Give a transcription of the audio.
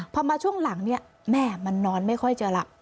พอมาช่วงหลังเนี่ยแม่มันนอนไม่ค่อยเจอแล้ว